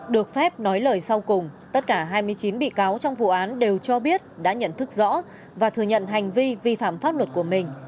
được phép nói lời sau cùng tất cả hai mươi chín bị cáo trong vụ án đều cho biết đã nhận thức rõ và thừa nhận hành vi vi phạm pháp luật của mình